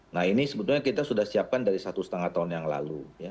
nah ini sebetulnya kita sudah siapkan dari satu setengah tahun yang lalu